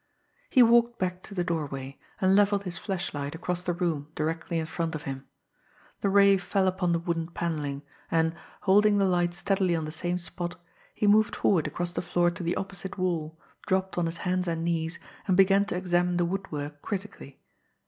He walked back to the doorway, and levelled his flashlight across the room directly in front of him. The ray fell upon the wooden panelling, and, holding the light steadily on the same spot, he moved forward across the floor to the opposite wall, dropped on his hands and knees, and began to examine the woodwork critically.